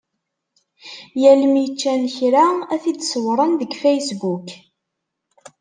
Yal mi ččan kra, ad t-id-ṣewwren deg Facebook.